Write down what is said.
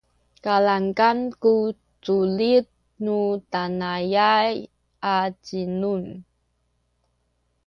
kalamkam ku culil nu tanaya’ay a zinum